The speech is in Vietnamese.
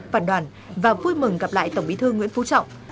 phản đoàn và vui mừng gặp lại tổng bí thư nguyễn phú trọng